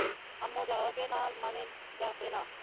আম্মু যাবে না মানে যাবে না।